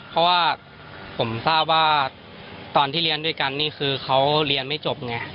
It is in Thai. เพราะว่าผมทราบว่าตอนที่เรียนด้วยกันนี่คือเขาเรียนไม่จบไง